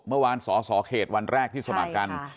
เมื่อวานสสเขตวันแรกที่สมัครกัน